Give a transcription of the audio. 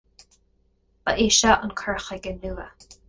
Ba é seo an cur chuige nua.